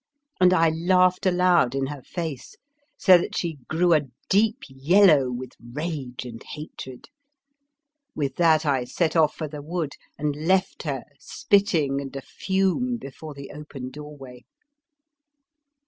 and I laughed aloud in her face, so that she grew a deep yellow with rage and hatred. With that I set off for the wood, and left her spitting and afume before the open doorway.